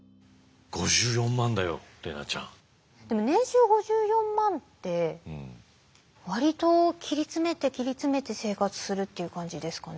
でも年収５４万って割と切り詰めて切り詰めて生活するっていう感じですかね？